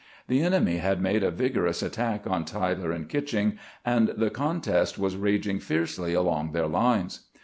The enemy had made a vigorous attack on Tyler and Kitching, and the contest was raging fiercely along their lines.